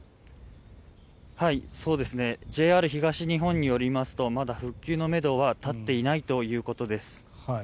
ＪＲ東日本によりますとまだ復旧のめどは立っていないということです。